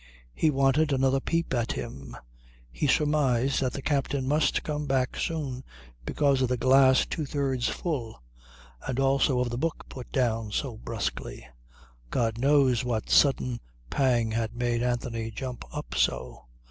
He wanted another peep at him. He surmised that the captain must come back soon because of the glass two thirds full and also of the book put down so brusquely. God knows what sudden pang had made Anthony jump up so.